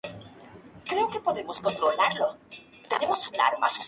Este centro estuvo dedicado a la enseñanza teatral.